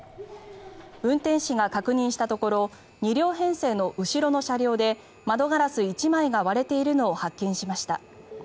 運転士が確認したところ２両編成の後ろの車両で窓ガラス１枚が割れているのを発見しました。